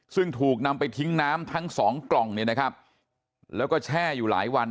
ซึ่งถูกนำไปทิ้งน้ำทั้งสองกล่องแล้วก็แช่อยู่หลายวัน